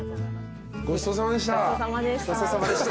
ごちそうさまでした。